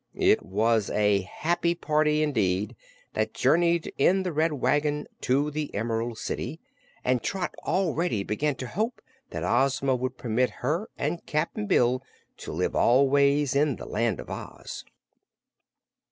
It was a happy party, indeed, that journeyed in the Red Wagon to the Emerald City, and Trot already began to hope that Ozma would permit her and Cap'n Bill to live always in the Land of Oz.